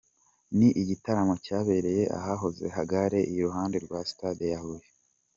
Ni igitaramo cyabereye ahahoze gare iruhande rwa stade ya Huye.